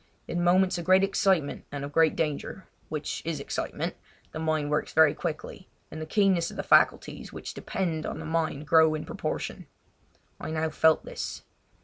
In moments of great excitement and of great danger, which is excitement, the mind works very quickly, and the keenness of the faculties which depend on the mind grows in proportion. I now felt this.